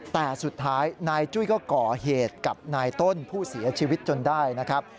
แต่สุดท้ายนายจุ้ยก็ก่อเหตุกับนายต้นผู้เสียชีวิตจนได้นะครับ